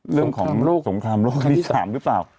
เรื่องของสงครามโลค๓หรือเปล่า